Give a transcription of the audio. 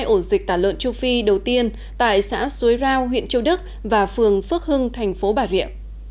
hai ổ dịch tà lợn châu phi đầu tiên tại xã xuế rao huyện châu đức và phường phước hưng thành phố bà rịa